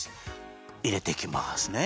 いれていきますね